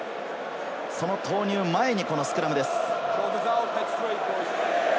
その投入前にこのスクラムです。